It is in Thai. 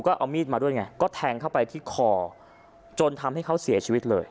ก็เอามีดมาด้วยไงก็แทงเข้าไปที่คอจนทำให้เขาเสียชีวิตเลย